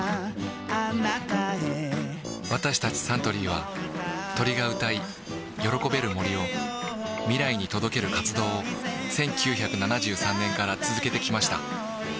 私たちサントリーは鳥が歌い喜べる森を未来に届ける活動を１９７３年から続けてきました